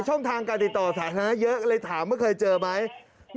ช่องทางการติดต่อสาธารณะเยอะเลยถามว่าเคยเจอไหม